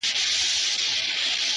o د فاصلو په تول کي دومره پخه سوې يمه ـ